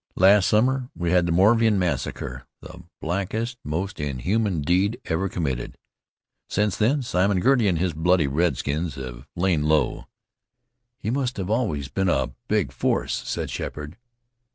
Last summer we had the Moravian Massacre, the blackest, most inhuman deed ever committed. Since then Simon Girty and his bloody redskins have lain low." "You must always have had a big force," said Sheppard.